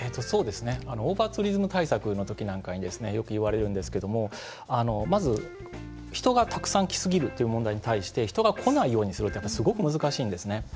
オーバーツーリズム対策の時なんかによくいわれるんですけどもまず、人がたくさん来すぎるという問題に対して人が来ないようにするってすごく難しいんですね。